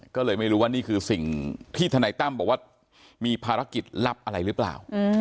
ก็เลยไม่รู้ว่านี่คือสิ่งที่ทนายตั้มบอกว่ามีภารกิจลับอะไรหรือเปล่า